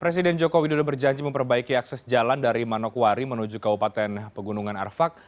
presiden joko widodo berjanji memperbaiki akses jalan dari manokwari menuju kabupaten pegunungan arfak